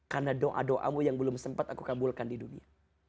karena doa doamu yang belum sempat aku kabulkan di dunia